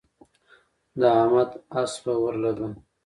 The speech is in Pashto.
د احمد اسپه ورله ده.